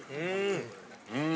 うん。